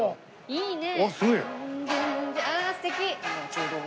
いいね！